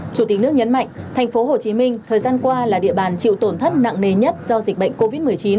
chủ tịch nước nhấn mạnh tp hcm thời gian qua là địa bàn chịu tổn thất nặng nề nhất do dịch bệnh covid một mươi chín